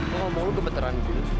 kok ngomong lu kebetulan gitu